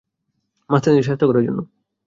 মাস্তানদের শায়েস্তা করার জন্য!